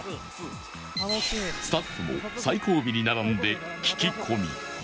スタッフも最後尾に並んで聞き込み